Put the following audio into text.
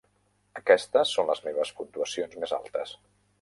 Aquestes són les meves puntuacions més altes.